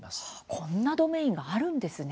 こんなドメインがあるんですね。